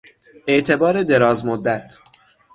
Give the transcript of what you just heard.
اعتبار دراز مدت